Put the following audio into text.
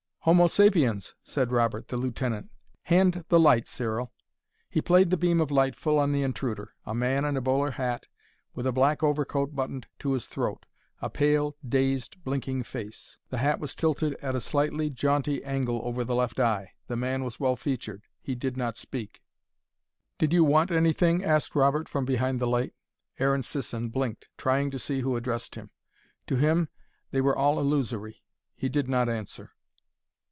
"Homo sapiens!" said Robert, the lieutenant. "Hand the light, Cyril." He played the beam of light full on the intruder; a man in a bowler hat, with a black overcoat buttoned to his throat, a pale, dazed, blinking face. The hat was tilted at a slightly jaunty angle over the left eye, the man was well featured. He did not speak. "Did you want anything?" asked Robert, from behind the light. Aaron Sisson blinked, trying to see who addressed him. To him, they were all illusory. He did not answer.